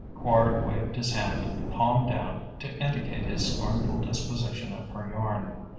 Quard waved his hand, palm down, to indicate his scornful disposition of her yarn.